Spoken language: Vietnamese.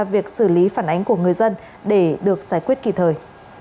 việc xử lý phản ánh của người dân để được giải quyết kịp thời